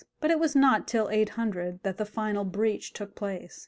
But it was not till 800 that the final breach took place.